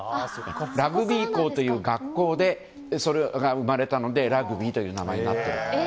ラグビー校という学校でそれが生まれたのでラグビーという名前になっている。